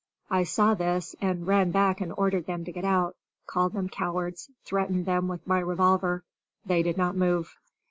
I saw this, and ran back and ordered them to get out, called them cowards, threatened them with my revolver; they did not move.